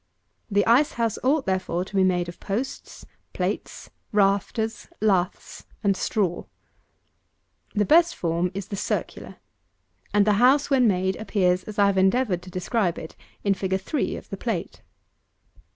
The ice house ought, therefore, to be made of posts, plates, rafters, laths, and straw. The best form is the circular; and the house, when made, appears as I have endeavoured to describe it in Fig. 3 of the plate.